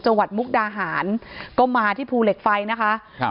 จังหวัดมุกดาหันก็มาที่ภูเหล็กไฟนะคะครับ